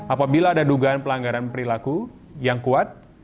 apabila ada dugaan pelanggaran perilaku yang kuat